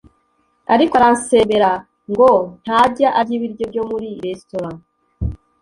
ariko aransembera ngo ntajya arya ibiryo byo muri restaurant